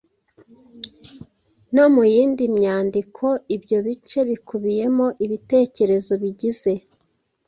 no mu yindi myandiko? Ibyo bice bikubiyemo ibitekerezo bigize